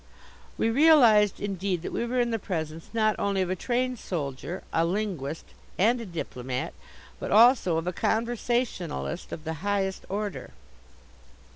We realized, indeed, that we were in the presence not only of a trained soldier, a linguist and a diplomat, but also of a conversationalist of the highest order.